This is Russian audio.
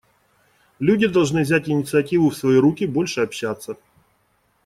Люди должны взять инициативу в свои руки, больше общаться.